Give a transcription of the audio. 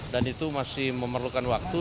dan itu masih memerlukan waktu